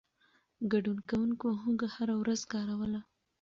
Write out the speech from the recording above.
ګډون کوونکو هوږه هره ورځ کاروله.